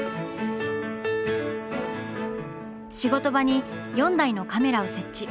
仕事場に４台のカメラを設置。